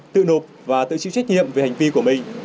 tự nộp và tự chịu trách nhiệm về hành vi của mình